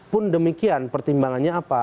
pun demikian pertimbangannya apa